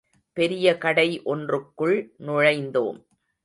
பெரிய கடை ஒன்றுக்குள் நுழைந்தோம்.